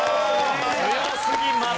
強すぎます。